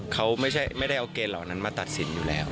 เขาไม่ได้เอาเกณฑ์เหล่านั้นมาตัดสินอยู่แล้ว